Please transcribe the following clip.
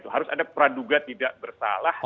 harus ada praduga tidak bersalah